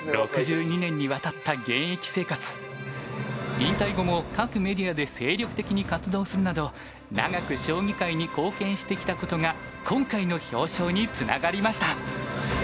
引退後も各メディアで精力的に活動するなど長く将棋界に貢献してきたことが今回の表彰につながりました。